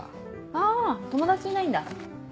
あ友達いないんだ。